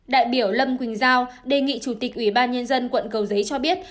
đại biểu lâm quỳnh giao đề nghị chủ tịch ủy ban nhân dân quận cầu giấy cho biết